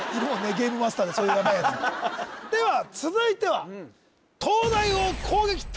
ゲームマスターでそういうヤバいやつでは続いては・きた！